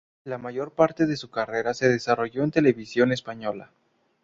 La mayor parte de su carrera se desarrolló en Televisión Española.